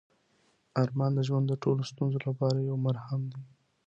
ارمان د ژوند د ټولو ستونزو لپاره یو مرهم دی.